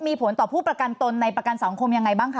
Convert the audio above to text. มีผลต่อผู้ประกันตนในประกันสังคมยังไงบ้างคะ